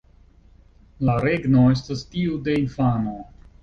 La regno estas tiu de infano"".